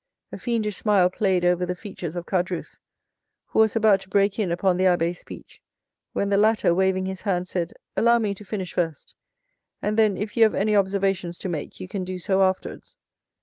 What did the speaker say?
'" A fiendish smile played over the features of Caderousse, who was about to break in upon the abbé's speech, when the latter, waving his hand, said, "Allow me to finish first, and then if you have any observations to make, you can do so afterwards.